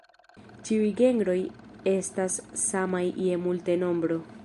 Ĉiuj genroj estas samaj je multenombro.